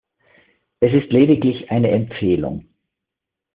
Es ist lediglich eine Empfehlung.